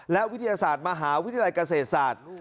และวิทยาศาสตร์มหาวิทยาลัยเกษตรศาสตร์